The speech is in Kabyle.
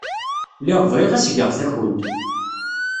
Lliɣ bɣiɣ ad as-geɣ takunt.